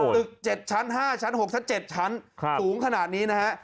ตึก๗ชั้น๕ชั้น๖ชั้น๗ชั้นสูงขนาดนี้นะฮะ